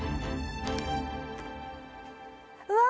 うわ！